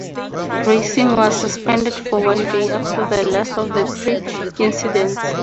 Racing was suspended for one day after the last of the three incidents.